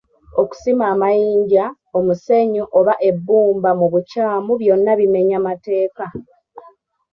Okusima amayinja, omusenyu oba ebbumba mu bukyamu byonna bimenya mateeka.